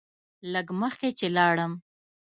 لږ مخکې چې لاړم.